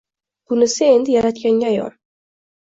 Bunisi endi Yaratganga ayon...